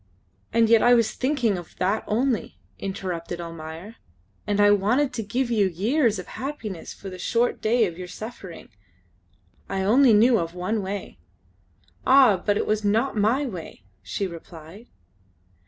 "And yet I was thinking of that only," interrupted Almayer, "and I wanted to give you years of happiness for the short day of your suffering. I only knew of one way." "Ah! but it was not my way!" she replied.